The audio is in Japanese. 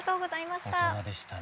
大人でしたね。